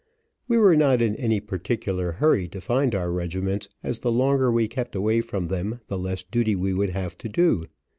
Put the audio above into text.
We were not in any particular hurry to find our regiments, as the longer we kept away from them the less duty we would have to do.